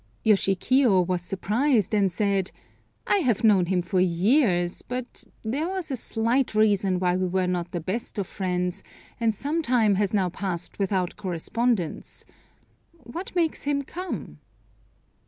Yoshikiyo was surprised, and said, "I have known him for years, but there was a slight reason why we were not the best of friends, and some time has now passed without correspondence. What makes him come?"